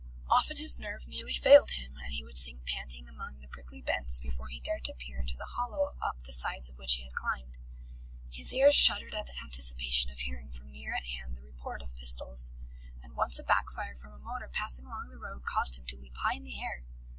Often his nerve nearly failed him, and he would sink panting among the prickly bents before he dared to peer into the hollow up the sides of which he had climbed. His ears shuddered at the anticipation of hearing from near at hand the report of pistols, and once a back fire from a motor passing along the road caused him to leap high in the air.